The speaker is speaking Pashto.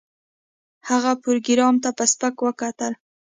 هغه پروګرامر ته په سپکه وکتل